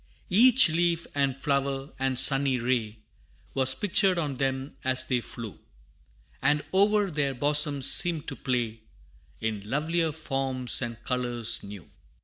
Each leaf, and flower, and sunny ray, Was pictured on them as they flew, And o'er their bosoms seemed to play In lovelier forms and colors new.